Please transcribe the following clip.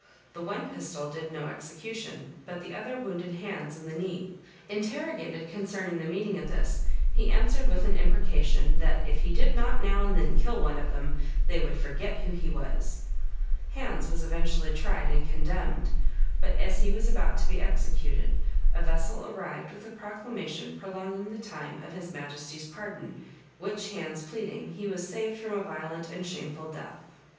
The one pistol did no execution, but the other wounded Hands in the knee. Interrogated concerning the meaning of this, he answered with an imprecation, "That if he did not now and then kill one of them, they would forget who he was." Hands was eventually tried and condemned, but as he was about to be executed, a vessel arrived with a proclamation prolonging the time of his Majesty's pardon, which Hands pleading, he was saved from a violent and shameful death.